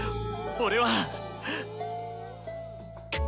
俺は！